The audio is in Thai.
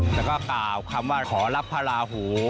แล้วก็กล่าวคำว่าขอรับพระราหู